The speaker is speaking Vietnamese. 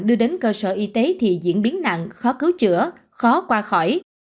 đưa đến cơ sở y tế thì diễn biến nặng khó cứu chữa khó qua khỏi